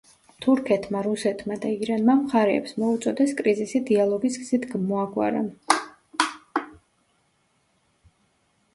თურქეთმა, რუსეთმა და ირანმა მხარეებს მოუწოდეს კრიზისი დიალოგის გზით მოაგვარონ.